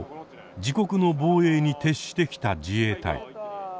自国の防衛に徹してきた自衛隊。